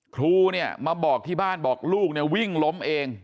ครูเนี่ยมาบอกที่บ้านบอกลูกเนี่ยวิ่งล้มเอง